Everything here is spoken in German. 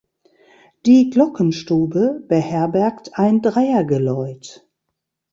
Die Glockenstube beherbergt ein Dreiergeläut.